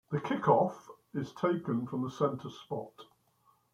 The kick-off is taken from the centre spot.